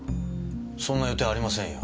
そんな予定ありませんよ。